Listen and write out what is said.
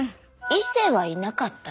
「いせ」はいなかった。